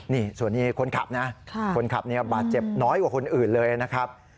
นี่ส่วนนี้คนขับนะคนขับเนี่ยบาดเจ็บน้อยกว่าคนอื่นเลยนะครับ